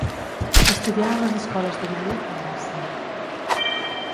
Estudià a les Escoles Domènec, de Gràcia.